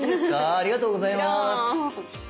ありがとうございます！